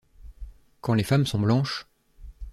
Quand les femmes sont blanches...